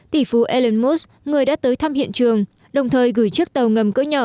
tỷ phú elon musk người đã tới thăm hiện trường đồng thời gửi chiếc tàu ngầm cỡ nhỏ